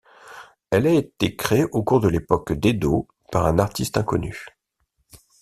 Elle a été créée au cours de l'époque d'Edo par un artiste inconnu.